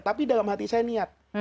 tapi dalam hati saya niat